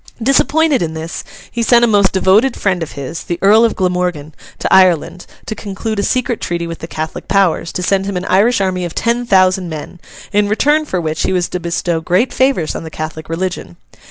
Disappointed in this, he sent a most devoted friend of his, the Earl of Glamorgan, to Ireland, to conclude a secret treaty with the Catholic powers, to send him an Irish army of ten thousand men; in return for which he was to bestow great favours on the Catholic religion.